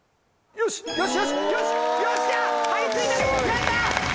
よしよし！